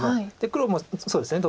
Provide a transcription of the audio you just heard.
黒もそうですね